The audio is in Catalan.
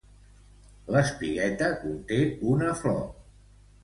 L'espigueta conté una flor.